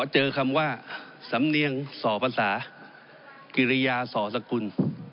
เจอคำว่าสำเนียงศภัษากิริยาศสกุล